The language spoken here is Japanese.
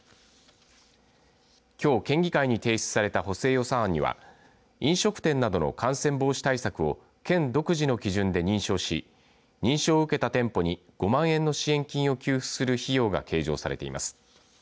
きょう、県議会に提出された補正予算案には飲食店などの感染防止対策を県独自の基準で認証し認証を受けた店舗に５万円の支援金を給付する費用が計上されています。